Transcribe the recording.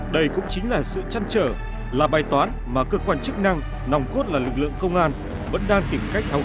đây cũng chính là sự chăn trở là bài toán mà cơ quan chức năng nòng cốt là lực lượng công an vẫn đang tìm cách tháo gỡ